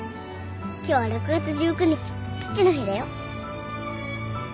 今日は６月１９日父の日だよ。